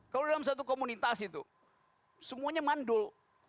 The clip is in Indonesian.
kalau dalam satu komunitas itu semuanya mandul